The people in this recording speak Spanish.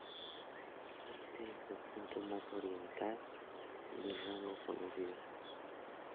Este es el punto más oriental del rango conocido.